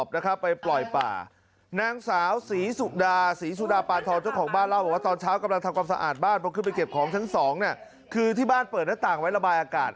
ทั้งสองเนี่ยคือที่บ้านเปิดหนาต่างไว้ระบายอากาศ